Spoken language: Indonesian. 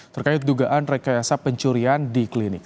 terkait dugaan rekayasa pencurian di klinik